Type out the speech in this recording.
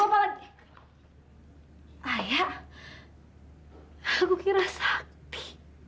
hai apa lagi sih aduh ayo hai ayah aku kira sakti